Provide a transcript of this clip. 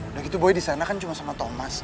udah gitu buaya di sana kan cuma sama thomas